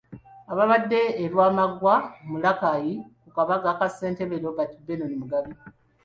Abadde e Lwamaggwa mu Rakai ku kabaga ka ssentebe Robert Benon Mugabi